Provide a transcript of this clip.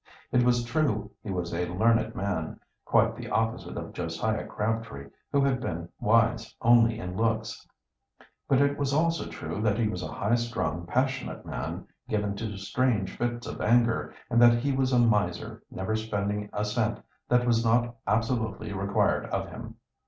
It was true he was a learned man, quite the opposite of Josiah Crabtree, who had been wise only in looks, but it was also true that he was a high strung, passionate man, given to strange fits of anger, and that he was a miser, never spending a cent that was not absolutely required of him.